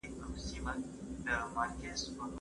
کارکوونکې ښځې پر ځان باور لري او خپلواکي احساسوي.